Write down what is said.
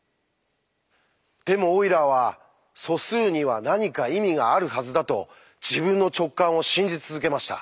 でもオイラーは素数には何か意味があるはずだと自分の直感を信じ続けました。